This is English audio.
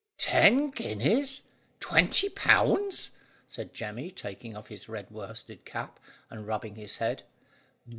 "Ten guineas! Twenty pounds!" said Jemmy, taking off his red worsted cap, and rubbing his head.